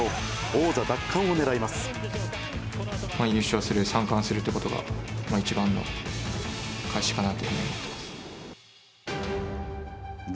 優勝する、３冠するということが一番の恩返しかなって思ってます。